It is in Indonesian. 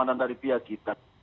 keamanan dari pihak kita